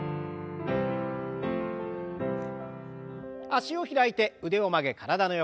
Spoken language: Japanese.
脚を開いて腕を曲げ体の横。